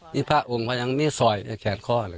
มีการทานเล็บดงเล็บแดงไหมพ่อ